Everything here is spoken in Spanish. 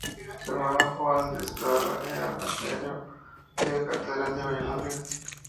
Su hermano Juan de Eslava era racionero de la Catedral de Valladolid.